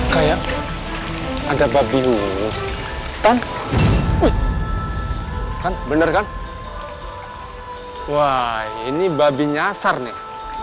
kayak ada babi ton kan bener kan wah ini babi nyasar nih